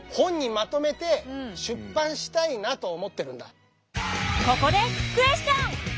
以前からここでクエスチョン！